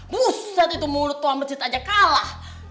buset itu mulut tua mersit aja kalah